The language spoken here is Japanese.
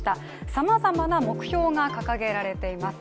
さまざまな目標が掲げられています。